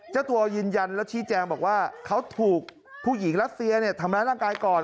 เจ้าตัวยืนยันแล้วชี้แจงบอกว่าเขาถูกผู้หญิงรัสเซียทำร้ายร่างกายก่อน